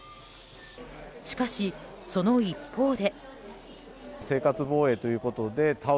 しかし、その一方で。